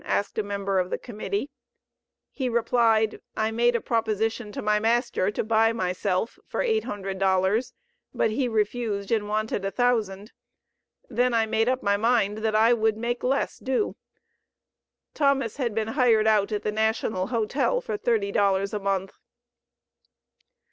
asked a member of the Committee. He replied, "I made a proposition to my master to buy myself for eight hundred dollars, but he refused, and wanted a thousand. Then I made up my mind that I would make less do." Thomas had been hired out at the National Hotel for thirty dollars a month.